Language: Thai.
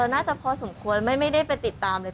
น่าจะพอสมควรไม่ได้ไปติดตามเลย